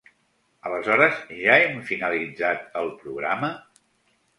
Aleshores ja hem finalitzat el programa?